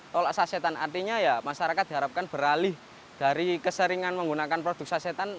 tolak sasetan artinya ya masyarakat diharapkan beralih dari keseringan menggunakan produk sasetan